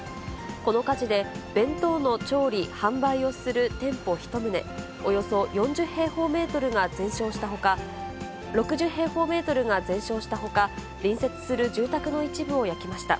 この火事で、弁当の調理・販売をする店舗１棟およそ４０平方メートルが全焼したほか、６０平方メートルが全焼したほか、隣接する住宅の一部を焼きました。